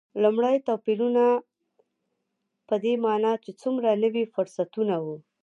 لومړ توپیرونه په دې معنا چې څومره نوي فرصتونه و.